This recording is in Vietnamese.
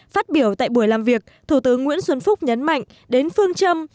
phát biểu tại buổi làm việc thủ tướng nguyễn xuân phúc nhấn mạnh đến phương châm